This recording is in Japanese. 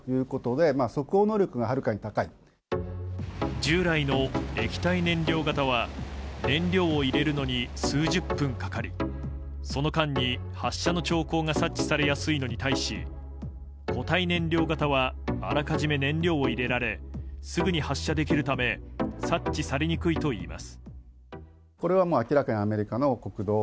従来の液体燃料型は燃料を入れるのに数十分かかりその間に発射の兆候が察知されやすいのに対し固体燃料型はあらかじめ燃料を入れられすぐに発射できるため察知されにくいといいます。